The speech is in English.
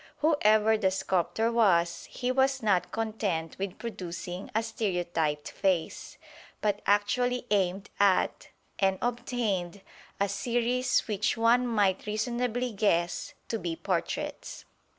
Whoever the sculptor was, he was not content with producing a stereotyped face, but actually aimed at and obtained a series which one might reasonably guess to be portraits.